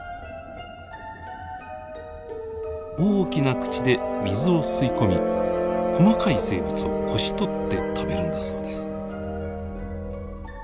大きな口で水を吸い込み細かい生物をこし取って食べるんだそうです。